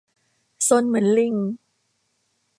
ซนเหมือนลิง